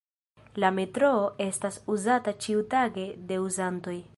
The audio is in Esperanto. La metroo estas uzata ĉiutage de uzantoj.